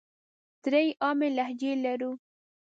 درې عامې لهجې لرو.